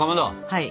はい。